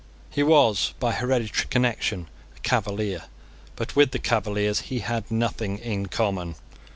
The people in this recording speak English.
He was, by hereditary connection, a Cavalier: but with the Cavaliers he had nothing in common.